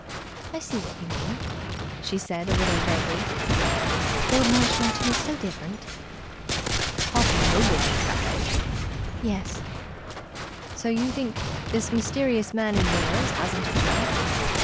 "I see what you mean," she said a little vaguely. "Lord Marshmoreton is so different." "Haughty nobleman stuff, eh?" "Yes." "So you think this mysterious man in Wales hasn't a chance?"